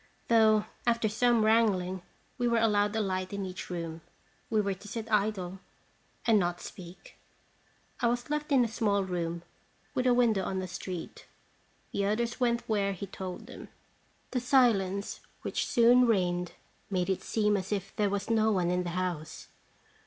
Though, after some wrangling, we were allowed a light in each room, we were to sit idle and not speak. I was left in a small room, with a window on the street. The others went where he told them. The silence which soon reigned made it seem as if there was no one in the house.